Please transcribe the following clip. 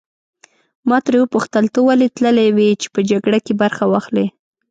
ما ترې وپوښتل ته ولې تللی وې چې په جګړه کې برخه واخلې.